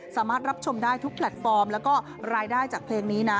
สามารถรับชมได้ทุกแพลตฟอร์มแล้วก็รายได้จากเพลงนี้นะ